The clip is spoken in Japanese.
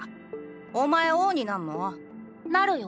お前王になんの？なるよ。